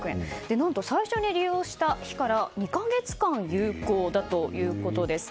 何と、最初に利用した日から２か月間有効だということです。